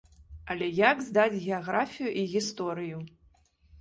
Але як здаць геаграфію і гісторыю?